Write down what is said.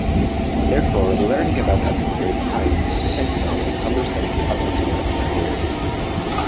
Therefore, learning about atmospheric tides is essential in understanding the atmosphere as a whole.